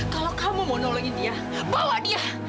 kalau kamu mau nolongin dia malah dia